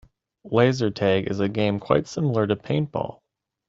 Laser tag is a game quite similar to paintball.